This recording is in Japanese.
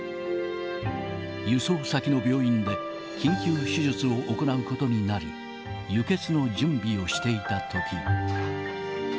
輸送先の病院で、緊急手術を行うことになり、輸血の準備をしていたとき。